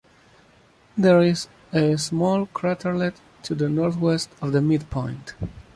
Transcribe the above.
There is a small craterlet to the northwest of the midpoint.